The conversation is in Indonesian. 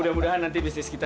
mudah mudahan nanti bisnis kita